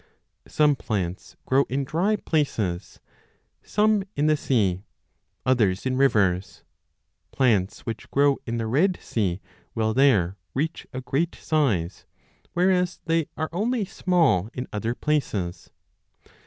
Some plants grow in dry places, some in the sea, others in 4 o rivers. Plants which grow in the Red Sea will there reach a great size, whereas they are only small in other places.